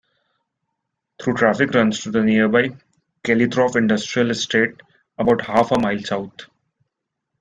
Through traffic runs to the nearby Kelleythorpe Industrial Estate about half a mile south.